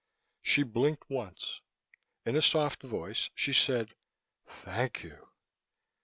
She blinked once. In a soft voice, she said, "Thank you."